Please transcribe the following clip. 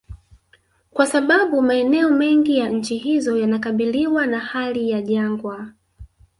Kwa sababu maeneo mengi ya nchi hizo yanakabiliwa na hali ya jangwa